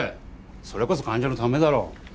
それこそ患者のためだろ。